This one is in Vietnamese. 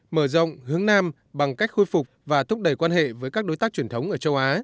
mở rộng hướng nam bằng cách khôi phục và thúc đẩy quan hệ với các đối tác truyền thống ở châu á